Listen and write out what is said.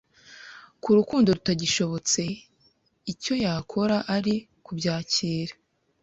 ko urukundo rutagishobotse icyo yakora ari kubyakira